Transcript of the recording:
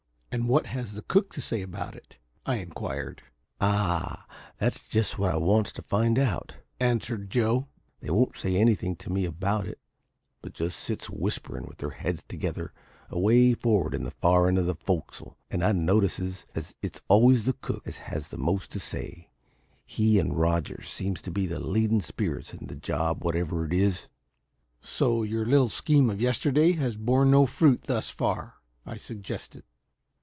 "And what has the cook to say about it?" I inquired. "Ah, that's just what I wants to find out," answered Joe. "They won't say anything to me about it, but just sits whisperin' with their heads together away for'ard in the far end of the fo'c's'le, and I notices as it's always the cook as has most to say. He and Rogers seems to be the leadin' spirits in the job, whatever it is." "So your little scheme of yesterday has borne no fruit, thus far?" I suggested.